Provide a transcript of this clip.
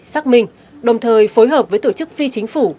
xác minh đồng thời phối hợp với tổ chức phi chính phủ